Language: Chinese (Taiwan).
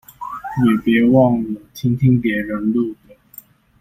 也別忘了聽聽別人錄的